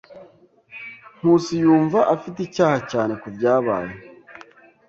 Nkusi yumva afite icyaha cyane kubyabaye.